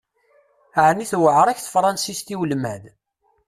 Ɛni tewεeṛ-ak tefransist i ulmad?